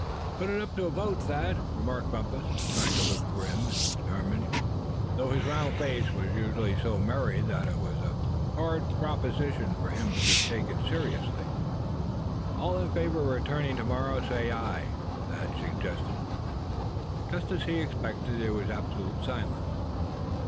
"Put it up to a vote, Thad!" remarked Bumpus, trying to look grim and determined, though his round face was usually so merry that it was a hard proposition for him to seem serious. "All in favor of returning to morrow say aye," Thad suggested. Just as he expected, there was absolute silence.